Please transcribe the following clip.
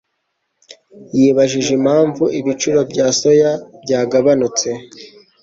yibajije impamvu ibiciro bya soya byagabanutse.